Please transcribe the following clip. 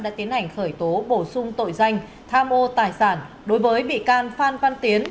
đã tiến hành khởi tố bổ sung tội danh tham ô tài sản đối với bị can phan văn tiến